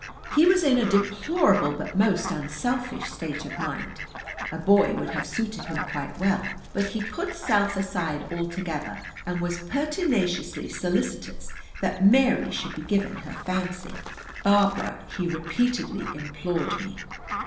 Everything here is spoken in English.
He was in a deplorable but most unselfish state of mind. A boy would have suited him quite well, but he put self aside altogether and was pertinaciously solicitous that Mary should be given her fancy. "Barbara," he repeatedly implored me.